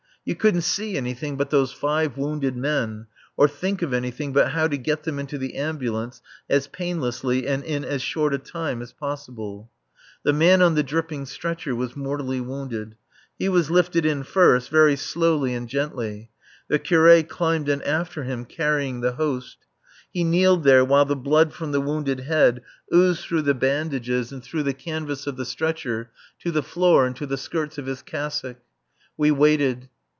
You couldn't see anything but those five wounded men, or think of anything but how to get them into the ambulance as painlessly and in as short a time as possible. The man on the dripping stretcher was mortally wounded. He was lifted in first, very slowly and gently. The Curé climbed in after him, carrying the Host. He kneeled there while the blood from the wounded head oozed through the bandages and through the canvas of the stretcher to the floor and to the skirts of his cassock. We waited.